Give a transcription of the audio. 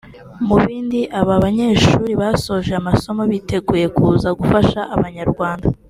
Mu bindi aba banyeshuri basoje amasomo biteguye kuza gufasha abanyarwanda